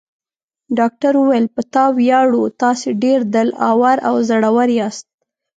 ډاکټر وویل: په تا ویاړو، تاسي ډېر دل اور او زړور یاست.